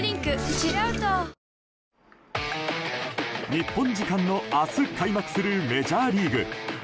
日本時間の明日開幕するメジャーリーグ。